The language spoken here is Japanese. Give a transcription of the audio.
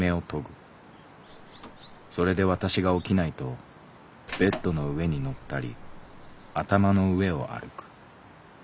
それで私が起きないとベッドの上に乗ったり頭の上を歩く。